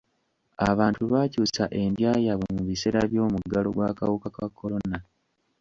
Abantu baakyusa endya yaabwe mu biseera by'omuggalo gw'akawuka ka kolona.